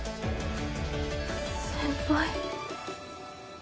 先輩？